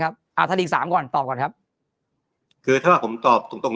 ครับอ่าถ้าลิข๓ก่อนตอบก่อนครับคือถ้าว่าผมตอบตรง